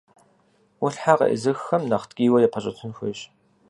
Ӏулъхьэ къеӀызыххэм, нэхъ ткӀийуэ япэщӀэтын хуейщ.